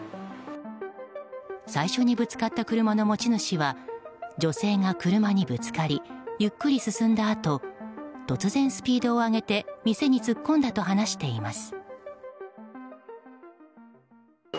最初にぶつかった車の持ち主は女性が車にぶつかりゆっくり進んだあと突然、スピードを上げて店に突っ込んだと話しています。